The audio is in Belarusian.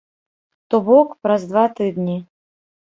То бок, праз два тыдні.